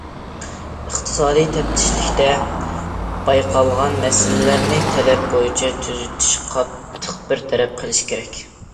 ئىقتىسادى تەپتىشلىكتە بايقالغان مەسىلىلەرنى تەلەپ بويىچە تۈزىتىش، قاتتىق بىر تەرەپ قىلىش كېرەك.